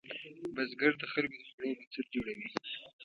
بزګر د خلکو د خوړو بنسټ جوړوي